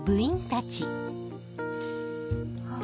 あっ。